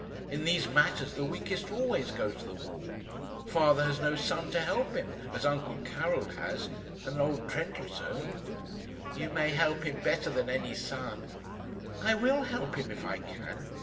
In these matters the weakest always goes to the wall. Father has no son to help him, as uncle Karil has and old Trendellsohn." "You may help him better than any son." "I will help him if I can.